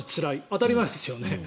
当たり前ですよね。